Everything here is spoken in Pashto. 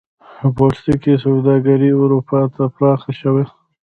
د پوستکي سوداګري اروپا ته پراخه شوه.